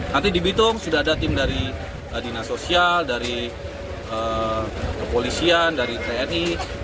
nanti di bitung sudah ada tim dari dinas sosial dari kepolisian dari tni